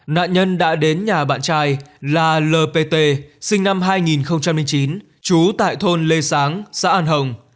nạn nhân đã đến nhà bạn trai là l p t sinh năm hai nghìn chín chú tại thôn lê sáng xã an hồng